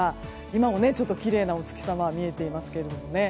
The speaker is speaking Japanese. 今もきれいなお月様が見えていますけども。